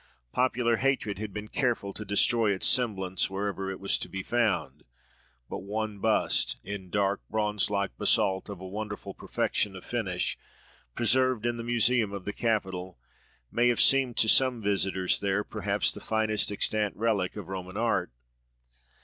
Popular hatred had been careful to destroy its semblance wherever it was to be found; but one bust, in dark bronze like basalt of a wonderful perfection of finish, preserved in the museum of the Capitol, may have seemed to some visitors there perhaps the finest extant relic of Roman art.